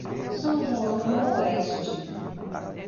São João do Oeste